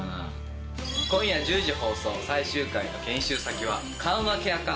今夜１０時放送、最終回の研修先は緩和ケア科。